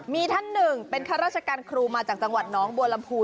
มีท่านหนึ่งเป็นข้าราชการครูมาจากจังหวัดน้องบัวลำพู